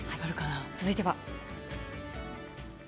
続いては。